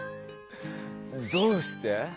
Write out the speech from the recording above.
どうして？